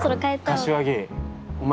柏木お前